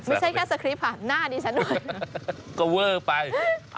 ไม่ใช่แค่สคริปต์ค่ะหน้าดีฉันด้วย